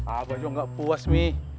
abah juga gak puas mi